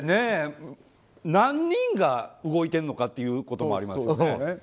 何人が動いているのかということもありますよね。